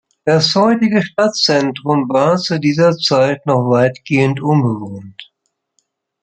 Das heutige Stadtzentrum war zu dieser Zeit noch weitgehend unbewohnt.